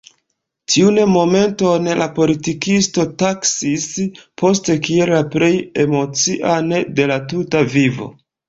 Tiun momenton la politikisto taksis poste kiel la plej emocian de la tuta vivo.